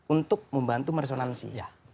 untuk membantu meresonansi